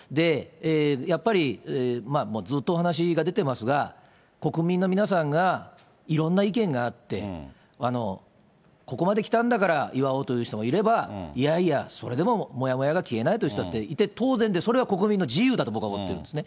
やっぱり、もうずっとお話が出てますが、国民の皆さんがいろんな意見があって、ここまできたんだから祝おうという人もいれば、いやいや、それでももやもやが消えないという人だっていて当然で、それは国民の自由だと、僕は思ってるんですね。